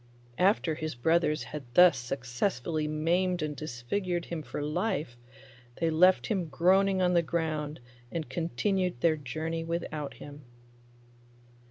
After his brothers had thus successfully maimed and disfigured him for life, they left him groaning on the ground and continued their journey without him.